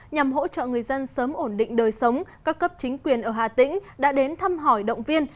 nhằm hỗ trợ người dân sớm ổn định đời sống các cấp chính quyền ở hà tĩnh đã đến thăm hỏi động viên